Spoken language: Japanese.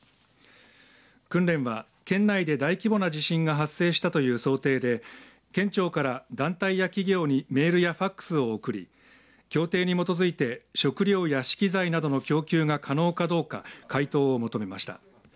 訓練は県内で大規模な地震が発生したという想定で県庁から団体や企業にメールやファックスを送り協定に基づいて食料や資機材などの供給が可能かどうか回答を求めました。